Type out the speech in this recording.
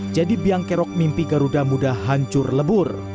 jadi biangkerok mimpi garuda muda hancur lebur